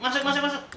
masuk masuk masuk